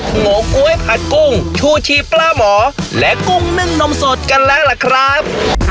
โหก๊วยผัดกุ้งชูชีปลาหมอและกุ้งนึ่งนมสดกันแล้วล่ะครับ